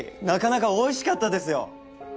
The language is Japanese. なかなかおいしかったですよ！